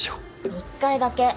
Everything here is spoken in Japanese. １回だけ。